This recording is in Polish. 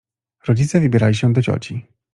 Rodzice wybierali się do cioci.